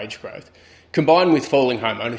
ditambah dengan pemilik rumah yang jatuh